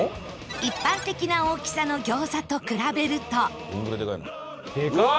一般的な大きさの餃子と比べるとでかっ！